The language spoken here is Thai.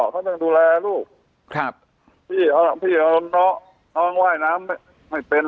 เขายังดูแลลูกครับพี่เอาพี่เอาน้องน้องว่ายน้ำไม่เป็น